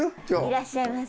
いらっしゃいませ。